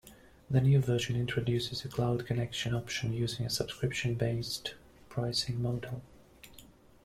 The new version introduces a cloud connection option using a subscription-based pricing model.